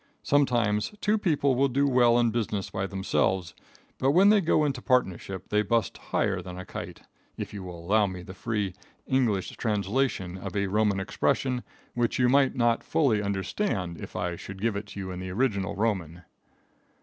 Sometimes two people do well in business by themselves, but when they go into partnership they bust higher than a kite, if you will allow me the free, English translation of a Roman expression which you might not fully understand if I should give it to you in the original Roman.